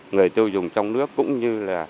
người tiêu dùng trong nước cũng như